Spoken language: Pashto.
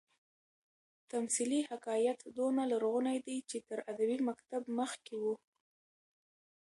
تمثيلي حکایت دونه لرغونى دئ، چي تر ادبي مکتب مخکي وو.